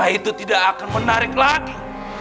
itu tidak akan menarik lagi